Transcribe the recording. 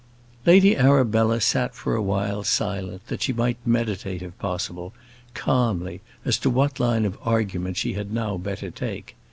Lady Arabella sat for a while silent, that she might meditate, if possible, calmly as to what line of argument she had now better take.